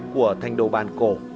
của thành đồ bàn cổ